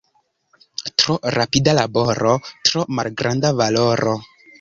Tro rapida laboro, tro malgranda valoro.